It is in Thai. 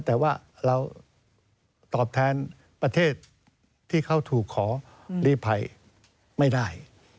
แต่ว่าเราตอบแทนประเทศที่เขาถูกขอลีภัยไม่ได้